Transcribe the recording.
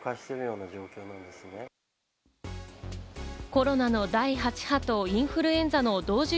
コロナの第８波とインフルエンザの同時